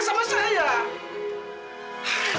saya nggak mau dengar lagi